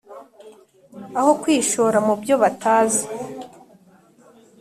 Aho kwishora mu byo batazi,